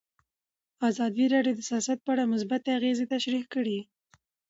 ازادي راډیو د سیاست په اړه مثبت اغېزې تشریح کړي.